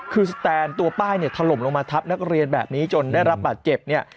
คือสแตนตัวป้ายเนี่ยถล่มลงมาทับนักเรียนแบบนี้จนได้รับบาดเจ็บเนี่ย